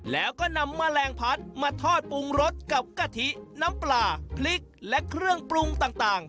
แล้วก็นำแมลงพัดมาทอดปรุงรสกับกะทิน้ำปลาพริกและเครื่องปรุงต่าง